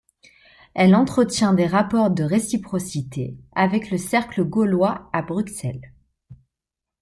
Elle entretient des rapports de réciprocité avec le Cercle Gaulois à Bruxelles.